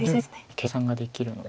計算ができるので。